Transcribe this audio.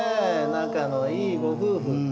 仲のいいご夫婦。